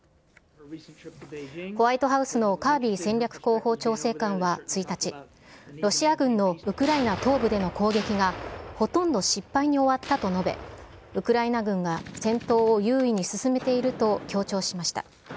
ホワイトハウスのカービー戦略広報調整官は１日、ロシア軍のウクライナ東部での攻撃がほとんど失敗に終わったと述べ、ウクライナ軍が戦闘を優位に進めていると強調しました。